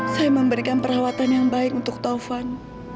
saya memberikan perawatan yang baik untuk tovan